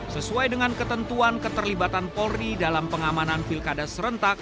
sesuai dengan ketentuan keterlibatan polri dalam pengamanan pilkada serentak